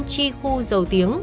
chi khu dầu tiếng